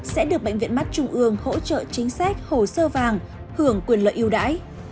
sẽ được bệnh viện mắt trung ương hỗ trợ chính sách hồ sơ vàng hưởng quyền lợi yêu đãi